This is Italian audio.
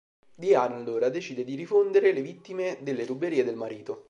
Diana, allora, decide di rifondere le vittime delle ruberie del marito.